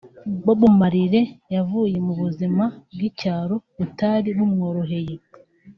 Bob Marley yavuye mu buzima bw’icyaro butari bumworoheye